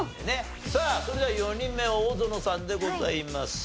さあそれでは４人目大園さんでございます。